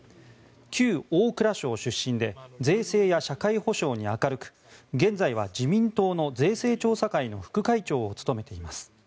旧大蔵省出身で税制や社会保障に明るく現在は自民党の税制調査会の副会長を務めています。